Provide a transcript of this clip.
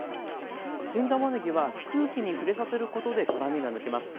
新たまねぎは空気に触れさせることで辛みが抜けます。